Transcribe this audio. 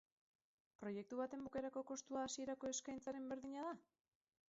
Proiektu baten bukaerako kostua hasierako eskaintzaren berdina da?